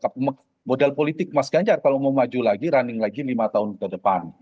dan bisa jadi ini menjadi awal dari modal politik mas ganjar kalau mau maju lagi running lagi lima tahun ke depan